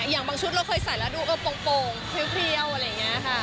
อย่างบางชุดเราเคยใส่แล้วดูโปรงเขี้ยวอะไรนี้ค่ะ